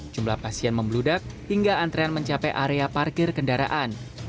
jumlah pasien membludak hingga antrean mencapai area parkir kendaraan